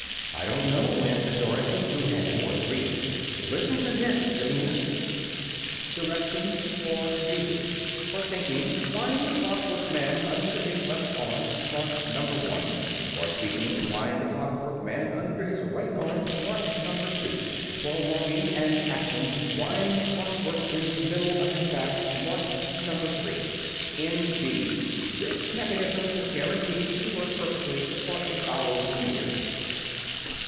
"I don't know," answered Dorothy, who had more to read. "Listen to this, Billina:" ++||| DIRECTIONS FOR USING: || For THINKING: Wind the Clock work Man under his || left arm, (marked No. 1.) || For SPEAKING: Wind the Clock work Man under his || right arm, (marked No. 2.) || For WALKING and ACTION: Wind Clock work in the || middle of his back, (marked No. 3.) || N. B. This Mechanism is guaranteed to work || perfectly for a thousand years.